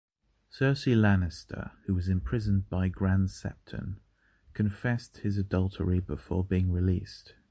Cersei Lannister, who was imprisoned by Grand Septon, confessed his adultery before being released.